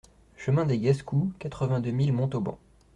Chemin des Gascous, quatre-vingt-deux mille Montauban